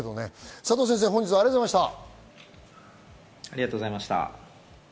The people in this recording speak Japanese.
佐藤先生、本日はありがとうございました。